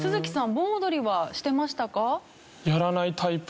盆踊りはしてましたか？